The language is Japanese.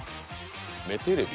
目テレビ？